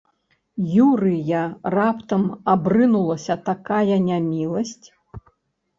Юрыя раптам абрынулася такая няміласць?